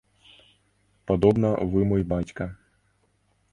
Падобна, вы мой бацька.